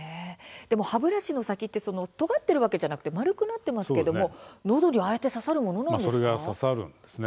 でも歯ブラシの先ってとがっているわけではなくて丸くなっていますけれどものどに刺さるもんなんですか？